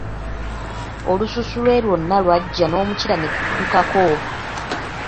Olususu Iwe lwona lwagya n'omukira ne gukutukako.